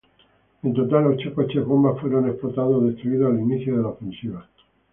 En total, ocho coches bombas fueron explotados o destruidos al inicio de la ofensiva.